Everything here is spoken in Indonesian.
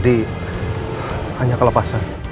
tadi hanya kelepasan